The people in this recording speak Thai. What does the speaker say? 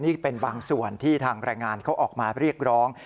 นี่เป็นบางส่วนที่ทางแรงงานเขาออกมาเรียกร้อง